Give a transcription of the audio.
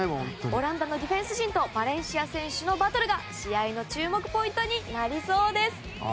オランダのディフェンス陣とバレンシア選手のバトルが試合の注目ポイントになりそうです。